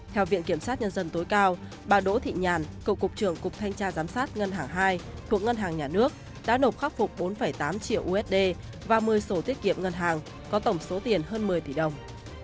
theo viện kiểm sát nhân dân tối cao bà đỗ thị nhàn cựu cục trưởng cục thanh tra giám sát ngân hàng hai thuộc ngân hàng nhà nước đã nộp khắc phục bốn tám triệu usd và một mươi sổ tiết kiệm ngân hàng có tổng số tiền hơn một mươi tỷ đồng